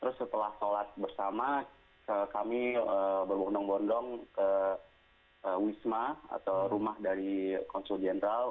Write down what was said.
terus setelah sholat bersama kami berbondong bondong ke wisma atau rumah dari konsul jenderal